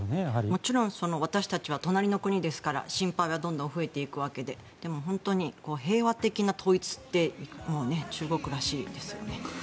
もちろん、私たちは隣の国ですから心配はどんどん増えていくわけででも、本当に平和的な統一って中国らしいですよね。